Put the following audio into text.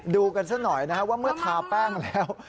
ดูกันซะหน่อยนะฮะว่าเมื่อทาแป้งแล้ว